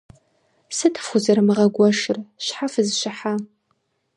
- Сыт фхузэрымыгъэгуэшыр? Щхьэ фызэщыхьа?